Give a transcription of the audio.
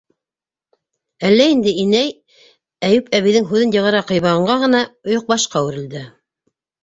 Әллә инде, инәй, - Әйүп әбейҙең һүҙен йығырға ҡыймағанға ғына ойоҡбашҡа үрелде.